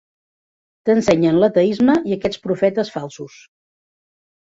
T'ensenyen l'ateisme i aquests profetes falsos.